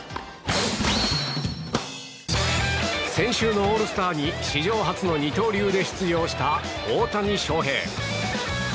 先週のオールスターに史上初の二刀流で出場した大谷翔平。